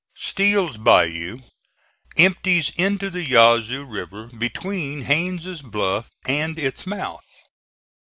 Steel's Bayou empties into the Yazoo River between Haines' Bluff and its mouth.